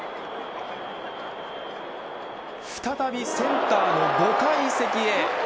再びセンターの５階席へ。